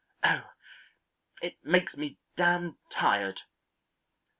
Oh, it makes me damned tired."